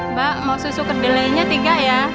mbak mau susu kedele nya tiga ya